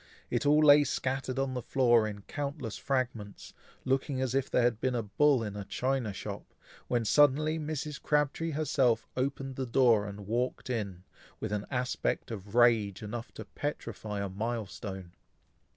It all lay scattered on the floor, in countless fragments, looking as if there had been a bull in a china shop, when suddenly Mrs. Crabtree herself opened the door and walked in, with an aspect of rage enough to petrify a milestone.